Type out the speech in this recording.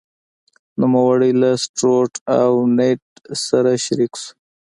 نوموړی له ستروټ او نیډ سره شریک شو.